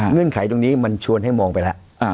ไขตรงนี้มันชวนให้มองไปแล้ว